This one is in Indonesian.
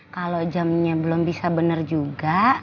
kalau jamnya belum bisa benar juga